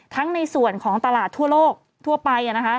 ในส่วนของตลาดทั่วโลกทั่วไป